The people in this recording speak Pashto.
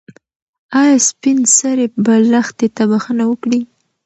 ایا سپین سرې به لښتې ته بښنه وکړي؟